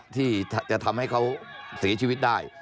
ที่จะทำให้เขาเสียชีวิตได้